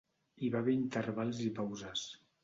Hi va haver intervals i pauses.